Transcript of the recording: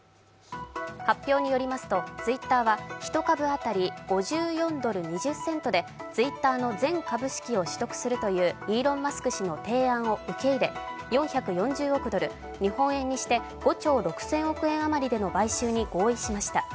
発表によりますとツイッターは、一株当たり５４ドル２０セントでツイッターの全株式を取得するというイーロン・マスク氏の提案を受け入れ４４０億ドル、日本円にして５兆６０００億あまりでの買収に合意しました。